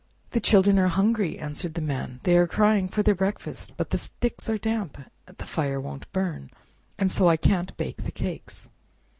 "The children are hungry," answered the Man; "they are crying for their breakfast, but the sticks are damp, the fire won't burn, and so I can't bake the cakes."